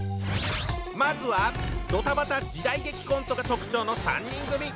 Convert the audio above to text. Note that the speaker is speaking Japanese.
まずはドタバタ時代劇コントが特徴の３人組。